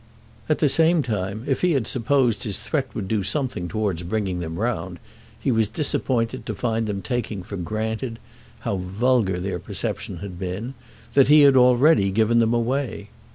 At the same time, if he had supposed his threat would do something towards bringing them round, he was disappointed to find them taking for granted—how vulgar their perception had been!—that he had already given them away.